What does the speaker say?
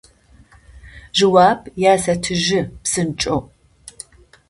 Джэуап ясэтыжьы псынкӏэу…